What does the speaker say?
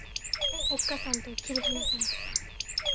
おっ母さんと切り離されてさ。